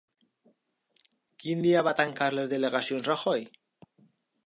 Quin dia va tancar les delegacions Rajoy?